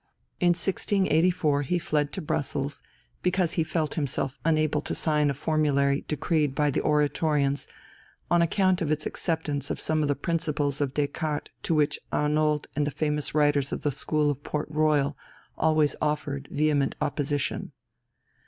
In 1684 he fled to Brussels, because he felt himself unable to sign a formulary decreed by the Oratorians on account of its acceptance of some of the principles of Descartes to which Arnauld and the famous writers of the school of Port Royal always offered vehement opposition.